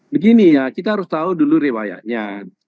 begini ya kita harus tahu dulu riwayatnya